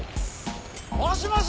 もしもし！